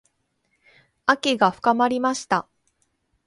秋が深まりました。